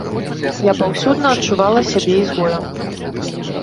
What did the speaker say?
Я паўсюдна адчувала сябе ізгоем.